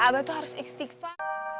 abah tuh harus istighfar